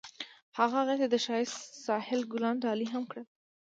هغه هغې ته د ښایسته ساحل ګلان ډالۍ هم کړل.